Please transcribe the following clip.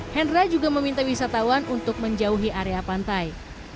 hendra juga meminta wisatawan untuk menjauhi area pantai